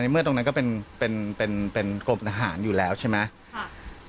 เมื่อตรงนั้นก็เป็นเป็นกรมทหารอยู่แล้วใช่ไหม